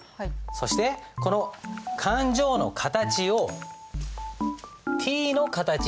そしてこの勘定の形をＴの形にします。